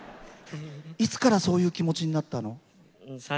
いつからそういう気持ちになったの？